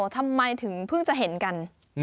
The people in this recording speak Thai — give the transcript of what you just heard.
ทำไมถึงเพิ่งจะเห็นกัน